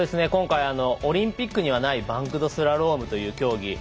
今回オリンピックにはないバンクドスラロームという競技